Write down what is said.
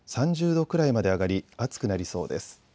３０度くらいまで上がり暑くなりそうです。